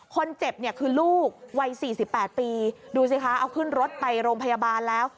คนเจ็บเนี่ยคือลูกวัย๔๘ปีดูสิคะเอาขึ้นรถไปโรงพยาบาลแล้ว